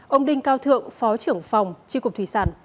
ông đinh cao thượng phó trưởng phòng tri cục thủy sản